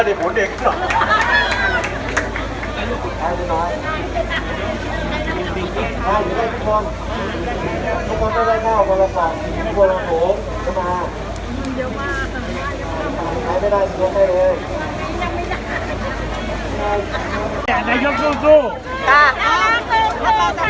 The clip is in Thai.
อันนี้ตรงนั้นของ๓ตัว